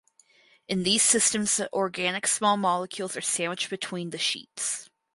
In these systems the organic small molecules are sandwiched between the sheets.